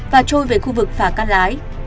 và trôi về khu vực phả cát lái